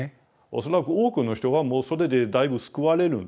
恐らく多くの人はもうそれでだいぶ救われるんですね。